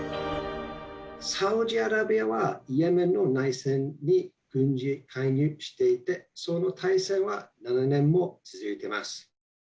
サウジアラビアはイエメンの内戦に軍事介入していてその体制は７年も続いています。